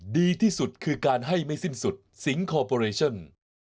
ดีที่สุดคือการให้ไม่สิ้นสุดสิงคอร์ปอเรชั่น